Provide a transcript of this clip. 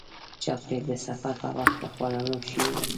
چاکلېټ د سفر پر وخت د خوړلو شی دی.